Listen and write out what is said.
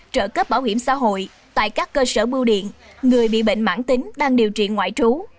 trợ cấp bảo hiểm xã hội tại các cơ sở bưu điện người bị bệnh mãn tính đang điều trị ngoại trú